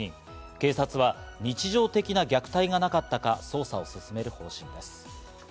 警察は日常的な虐待がなかったか、捜査を進める方針です。